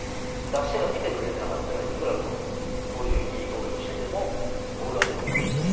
出し手が見てくれてなかったら、こういう、いくらいい動きをしててもボールは出てこないし。